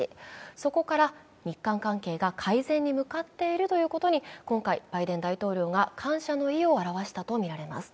そこから日韓関係が改善に向かっているということに今回、バイデン大統領が感謝の意を表したといえます。